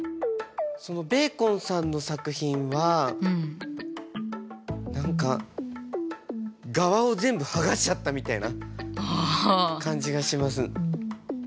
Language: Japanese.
ベーコンさんの作品は何かがわを全部剥がしちゃったみたいな感じがします。